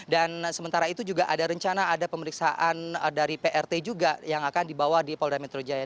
sementara itu juga ada rencana ada pemeriksaan dari prt juga yang akan dibawa di polda metro jaya